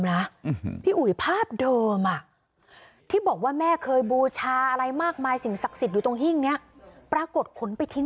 ไม่อยากให้แม่เป็นอะไรไปแล้วนอนร้องไห้แท่ทุกคืน